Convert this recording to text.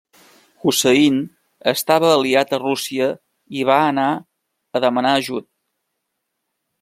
Hussein estava aliat a Rússia i va anar a demanar ajut.